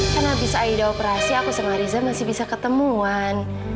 kan habis aida operasi aku sama riza masih bisa ketemuan